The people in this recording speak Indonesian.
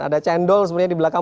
ada cendol sebenarnya di belakang